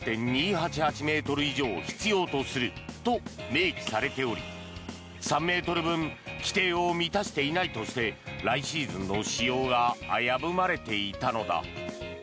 ｍ以上必要とすると明記されており３ｍ分規定を満たしていないとして来シーズンの使用が危ぶまれていたのだ。